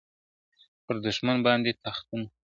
پر دښمن باندي تاختونه ..